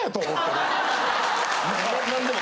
何でも。